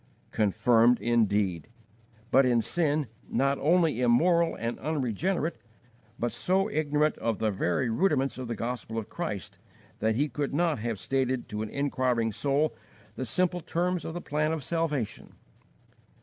Confirmed, indeed! but in sin, not only immoral and unregenerate, but so ignorant of the very rudiments of the Gospel of Christ that he could not have stated to an inquiring soul the simple terms of the plan of salvation.